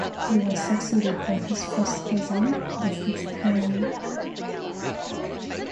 He was succeeded by his first cousin, the fifth Baron.